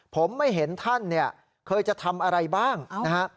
ผมไม่เห็นท่านเนี่ยเคยจะทำอะไรบ้างนะฮะ